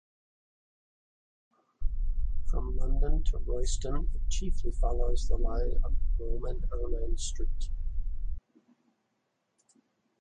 From London to Royston it chiefly follows the line of Roman Ermine Street.